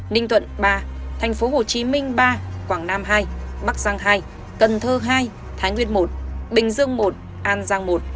ninh thuận ba tp hcm ba quảng nam hai bắc giang hai cần thơ hai thái nguyên một bình dương một an giang một